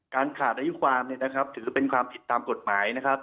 การขาดอายุความเนี่ยนะครับถือเป็นความผิดตามกฎหมายนะครับ